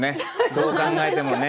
どう考えてもね。